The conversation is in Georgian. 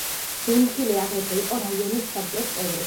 დენჩილე აგრეთვე იყო რაიონის საბჭოს წევრი.